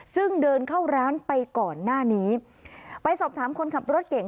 ซึ่งเดินเข้าร้านไปก่อนหน้านี้ไปสอบถามคนขับรถเก่ง